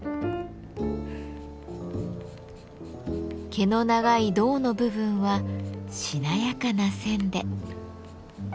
毛の長い胴の部分はしなやかな線で。